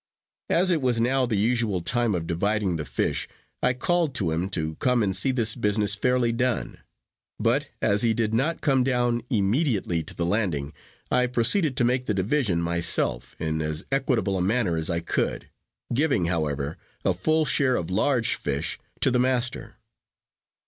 As it was now the usual time of dividing the fish, I called to him to come and see this business fairly done; but as he did not come down immediately to the landing, I proceeded to make the division myself, in as equitable a manner as I could: giving, however, a full share of large fish to the master.